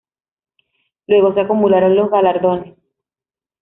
Luego se acumularon los galardones.